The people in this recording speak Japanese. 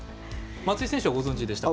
松井選手はご存じでした？